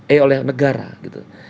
eh oleh negara gitu